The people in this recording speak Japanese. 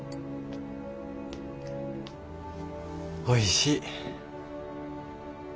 おいしい。